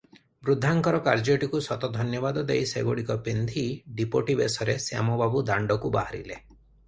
ବୃଦ୍ଧାଙ୍କର କାର୍ଯ୍ୟକୁ ଶତ ଧନ୍ୟବାଦ ଦେଇ ସେଗୁଡ଼ିକ ପିନ୍ଧି ଡିପୋଟି ବେଶରେ ଶ୍ୟାମବାବୁ ଦାଣ୍ଡକୁ ବାହାରିଲେ ।